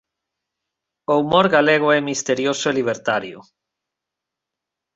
O humor galego é misterioso e libertario.